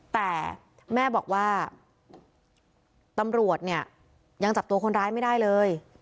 แต่แม่บอกว่าตำรวจเนี่ยยังจับตัวคนร้ายไม่ได้เลย